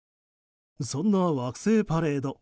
そんな惑星パレード